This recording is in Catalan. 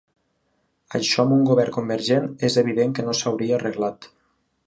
Això amb un govern convergent és evident que no s’hauria arreglat.